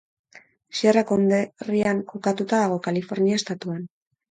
Sierra konderrian kokatuta dago, Kalifornia estatuan.